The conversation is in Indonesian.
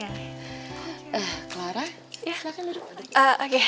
clara silahkan duduk